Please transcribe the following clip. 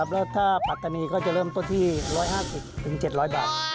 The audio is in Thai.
แล้วถ้าปัตตานีก็จะเริ่มต้นที่๑๕๐๗๐๐บาท